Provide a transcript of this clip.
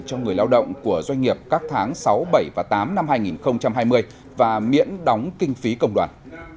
cho người lao động của doanh nghiệp các tháng sáu bảy và tám năm hai nghìn hai mươi và miễn đóng kinh phí công đoàn